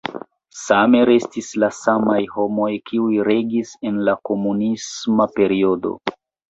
Same restis la samaj homoj, kiuj regis en la komunisma periodo.